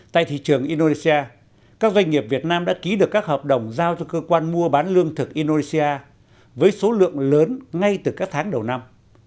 tại thị trường indonesia các doanh nghiệp việt nam đã ký được các hợp đồng giao cho cơ quan mua bán lương thực indonesia với số lượng lớn ngay từ các tháng đầu năm